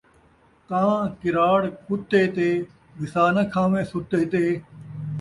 کاں ، کراڑ ، کتّے تے ، وِسا ناں کھاویں ستّے تے